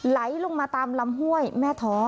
ไหลลงมาตามลำห้วยแม่ท้อ